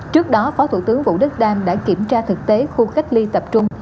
trước đó phó thủ tướng vũ đức đam đã kiểm tra thực tế khu cách ly tập trung